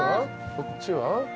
こっちは？